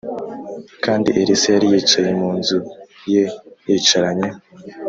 Kandi elisa yari yicaye mu nzu ye yicaranye